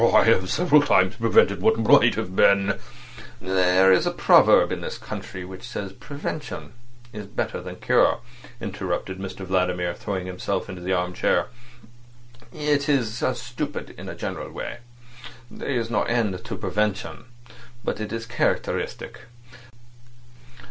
"I have several times prevented what might have been—" "There is a proverb in this country which says prevention is better than cure," interrupted Mr Vladimir, throwing himself into the arm chair. "It is stupid in a general way. There is no end to prevention. But it is characteristic.